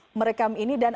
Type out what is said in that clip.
dan ada beberapa komentar